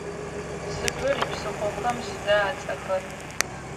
Сыбыр ипсыхъохэм сыда ацӏэхэр?